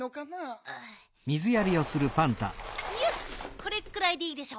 これくらいでいいでしょ。